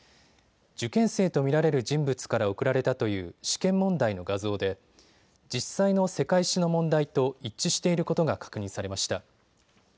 受験生と見られる人物から送られたという試験問題の画像で実際の世界史の問題と一致していることが確認されました。